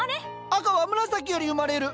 赤は紫より生まれる。